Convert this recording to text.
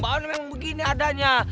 mbak on memang begini adanya